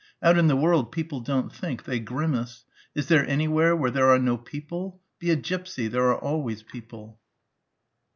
Out in the world people don't think.... They grimace.... Is there anywhere where there are no people? ... be a gipsy.... There are always people....